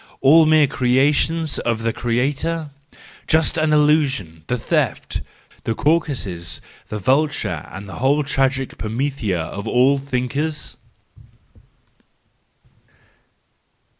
All mere creations of the creator?— just as the illusion, the theft, the Caucasus, the vulture, and the whole tragic Prometheia of all thinkers